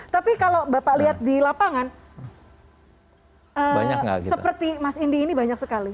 tapi kalau bapak lihat di lapangan seperti mas indi ini banyak sekali